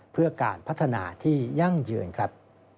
เพื่อการพัฒนาที่ยั่งยืนครับ